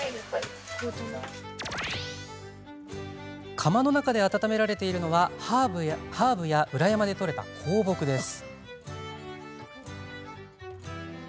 釜の中で温められているのはハーブや裏山で取れた香木です。